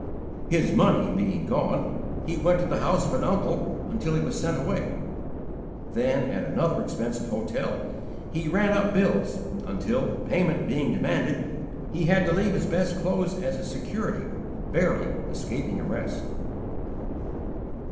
His money being gone, he went to the house of an uncle until he was sent away; then, at another expensive hotel, he ran up bills until, payment being demanded, he had to leave his best clothes as a security, barely escaping arrest.